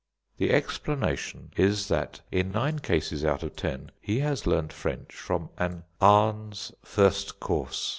The explanation is that, in nine cases out of ten, he has learnt French from an "Ahn's First Course."